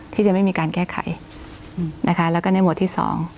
ที่จะไม่มีการแก้ไขนะคะแล้วก็ในหมวดที่๒